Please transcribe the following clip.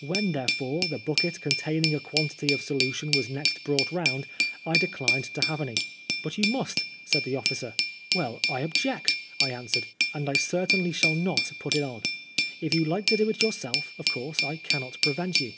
When, therefore, the bucket containing a quantity in solution was next brought round, I declined to have any. " But you must," said the officer. "Well, I object," I answered, ^'and I certainly shall not put it on. If you like to do it yourself of course I cannot prevent you."